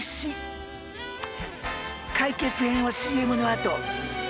解決編はＣＭのあと。